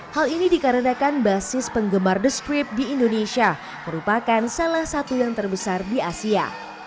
hal ini dikarenakan basis penggemar the script di indonesia merupakan salah satu yang terbesar di asia